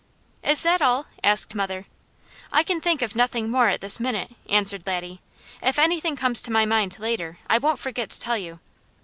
"Is that all?" asked mother. "I can think of nothing more at this minute," answered Laddie. "If anything comes to my mind later, I won't forget to tell you.